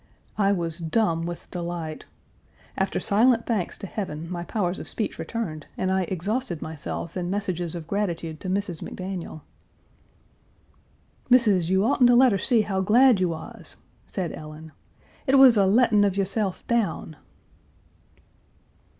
I was dumb with delight. After silent thanks to heaven my powers of speech returned, and I exhausted myself in messages of gratitude to Mrs. McDaniel. "Missis, you oughtn't to let her see how glad you was," said Ellen. "It was a lettin' of yo'sef down."